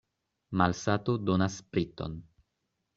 Malsato donas spriton.